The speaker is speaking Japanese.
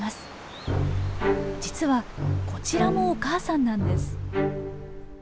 実はこちらもお母さんなんです。